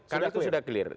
kalau itu sudah clear